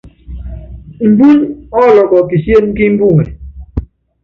Imbúnyi ɔ́lɔkɔ́ kisíén kí imbuŋe.